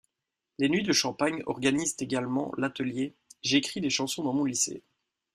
Les Nuits de Champagne organisent également l’atelier “J’écris des chansons dans mon lycée”.